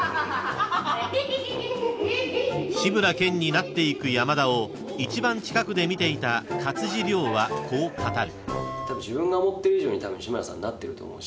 ［志村けんになっていく山田を一番近くで見ていた勝地涼はこう語る］